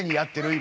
今。